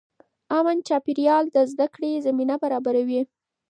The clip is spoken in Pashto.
امن چاپېریال د زده کړې زمینه برابروي.